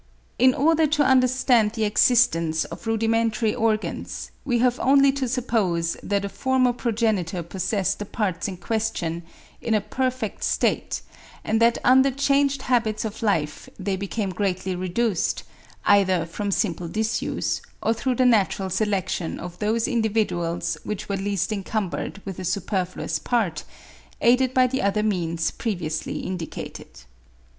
In order to understand the existence of rudimentary organs, we have only to suppose that a former progenitor possessed the parts in question in a perfect state, and that under changed habits of life they became greatly reduced, either from simple disuse, or through the natural selection of those individuals which were least encumbered with a superfluous part, aided by the other means previously indicated.